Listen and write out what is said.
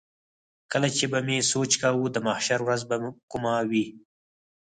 کله چې به مې سوچ کاوه د محشر ورځ به کومه وي.